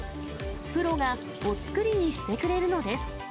プロがお造りにしてくれるのです。